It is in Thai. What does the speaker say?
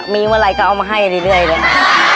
มีอะไรก็เอามาให้เรื่อยเรื่อยเลย